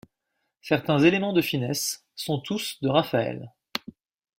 Certains éléments de finesse sont tous de Raphaël.